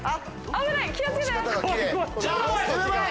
危ない！